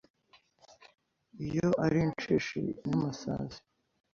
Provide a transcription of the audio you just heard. iyo ari inshishi n’amasazi